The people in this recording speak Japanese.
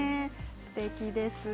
すてきですね。